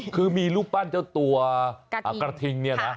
คือมีรูปปั้นเจ้าตัวกระทิงเนี่ยนะ